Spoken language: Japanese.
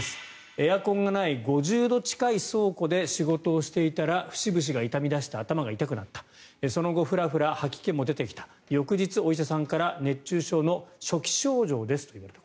エアコンがない５０度近い倉庫で仕事をしていたら節々が痛み出して頭が痛くなったその後、フラフラ吐き気も出てきた翌日、お医者さんから熱中症の初期症状ですと言われた。